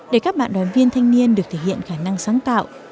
để các bạn đoàn viên thanh niên được thể hiện khả năng sáng tạo